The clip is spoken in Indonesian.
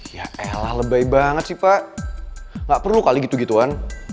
ya elah lebay banget sih pak nggak perlu kali gitu gituan